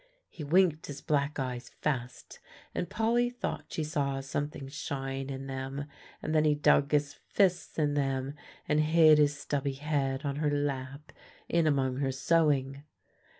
He winked his black eyes fast, and Polly thought she saw something shine in them; and then he dug his fists in them, and hid his stubby head on her lap in among her sewing.